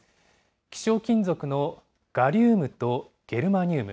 希少金属のガリウムとゲルマニウム。